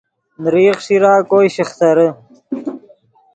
نیرئی خݰیرا کوئے شخترے